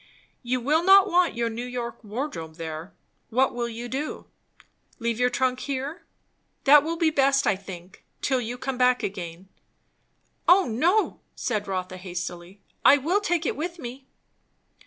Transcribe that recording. "You will not want your New York wardrobe there, what will you do? Leave your trunk here? That will be best, I think, till you come back again." "O no," said Rotha hastily. "I will take it with me."